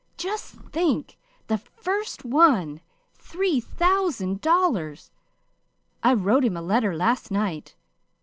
Just think the first one three thousand dollars! I wrote him a letter last night.